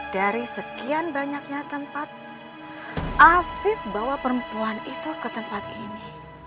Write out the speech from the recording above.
dari sekian banyaknya tempat afif bawa perempuan itu ke tempat ini